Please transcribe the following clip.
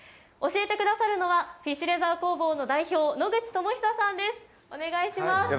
教えてくださるのは、フィッシュレザー工房の代表、野口朋寿さんです。